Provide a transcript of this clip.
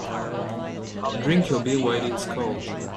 Drink your beer while it's cold.